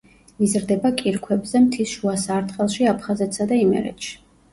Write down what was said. იზრდება კირქვებზე მთის შუა სარტყელში აფხაზეთსა და იმერეთში.